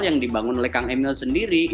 yang dibangun oleh kang emil sendiri